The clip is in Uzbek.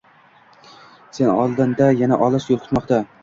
Seni oldinda yana olis yo`l kutmoqda